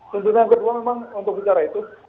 tuntutan yang kedua memang untuk bicara itu